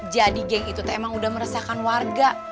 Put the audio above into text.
jadi geng itu emang udah meresahkan warga